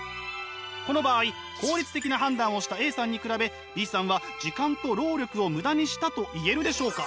この場合効率的な判断をしたＡさんに比べＢさんは時間と労力をムダにしたと言えるでしょうか？